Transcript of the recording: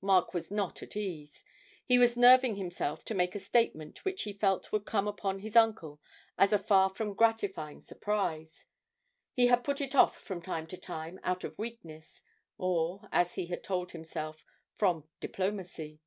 Mark was not at ease he was nerving himself to make a statement which he felt would come upon his uncle as a far from gratifying surprise he had put it off from time to time, out of weakness, or, as he had told himself, from diplomacy.